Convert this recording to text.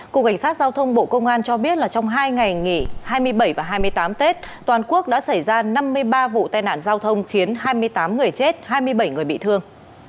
cục cảnh sát giao thông bộ công an cho biết là trong hai ngày nghỉ hai mươi bảy và hai mươi tám tết toàn quốc đã xảy ra năm mươi ba vụ tai nạn giao thông khiến hai mươi tám người chết hai mươi bảy người bị thương